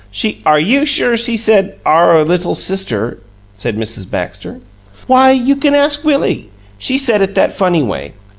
She " "Are you sure she said 'our little sister'?" said Mrs. Baxter. "Why, you can ask Willie! She said it that funny way.